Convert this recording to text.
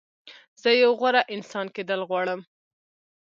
زه یو غوره انسان کېدل غواړم.